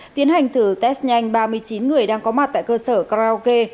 tiến hành thử test nhanh ba mươi chín người đang có mặt tại cơ sở karaoke